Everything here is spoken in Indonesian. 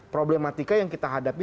problematika yang kita hadapi